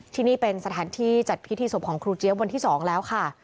ที่นี่เป็นสถานที่จัดพิธีศพของครูเจี๊ยบวันที่๒แล้วค่ะ